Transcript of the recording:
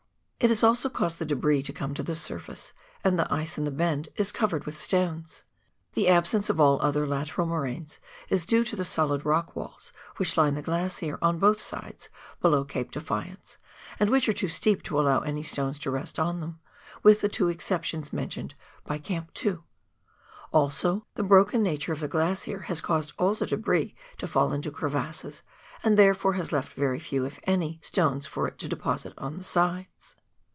It has also caused the debris to come to the surface, and the ice in the bend is covered with stones. The absence of all other lateral moraines is due to the solid rock walls which line the glacier on both sides below Cape Defiance, and which are too steep to allow any stones to rest on them, with the two exceptions mentioned by Camp 2 ; also the broken nature of the glacier has caused all the debris to fall into crevasses, and therefore has left very few, if any, stones for it to deposit on the sides.